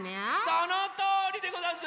そのとおりでござんす！